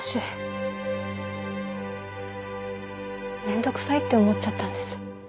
めんどくさいって思っちゃったんです。